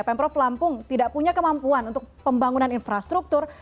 pemprov lampung tidak punya kemampuan untuk pembangunan infrastruktur